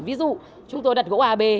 ví dụ chúng tôi đặt gỗ ab